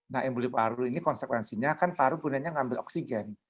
nah embuli paru ini konsekuensinya kan paru gunanya ngambil oksigen